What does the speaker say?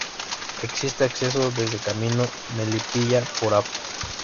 Existe acceso desde Camino Melipilla por Av.